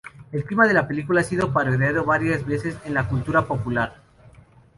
El clímax de la película ha sido parodiado varias veces en la cultura popular.